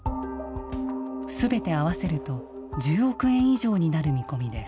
すべて合わせると１０億円以上になる見込みです。